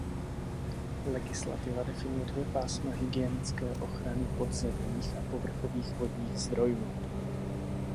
Legislativa definuje dvě pásma hygienické ochrany podzemních a povrchových vodních zdrojů.